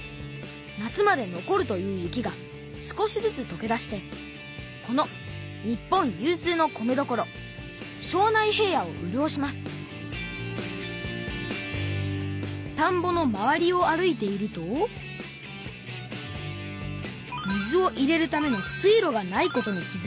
夏まで残るという雪が少しずつとけ出してこの日本有数の米どころ庄内平野をうるおしますたんぼの周りを歩いていると水を入れるための水路がないことに気づきました。